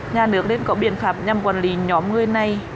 nhà nước nên có biện pháp nhằm quản lý nhóm người này